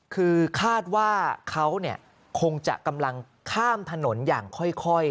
คือคาดว่าเขาคงจะกำลังข้ามถนนอย่างค่อย